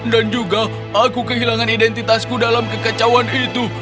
dan juga aku kehilangan identitasku dalam kekecauan itu